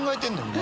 今。